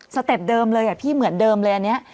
เต็ปเดิมเลยพี่เหมือนเดิมเลยอันนี้